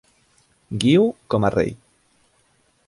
Guiu com a rei.